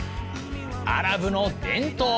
アラブの伝統！